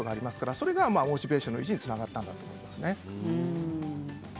それがモチベーションの維持につながったということですね。